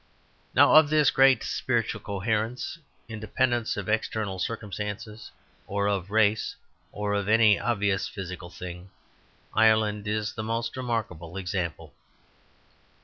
Now, of this great spiritual coherence, independent of external circumstances, or of race, or of any obvious physical thing, Ireland is the most remarkable example.